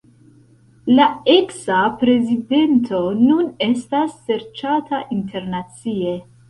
La eksa prezidento nun estas serĉata internacie.